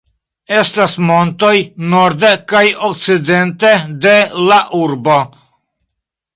Estas montoj norde kaj okcidente de la urbo.